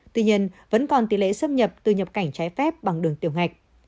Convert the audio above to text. tuy nhiên vẫn còn tỷ lệ xâm nhập từ nhập cảnh trái phép bằng đường tiểu ngạch